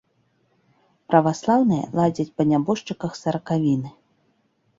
Праваслаўныя ладзяць па нябожчыках саракавіны.